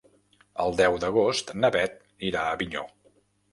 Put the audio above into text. El deu d'agost na Beth irà a Avinyó.